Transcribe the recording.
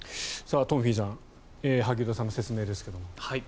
トンフィさん萩生田さんの説明ですが。